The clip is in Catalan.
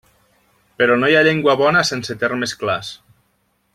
Però no hi ha llengua bona sense termes clars.